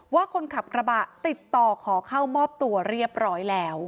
ว่าคนขับกระบะติดต่อขอเข้ามอบตัวเรียบร้อยแล้ว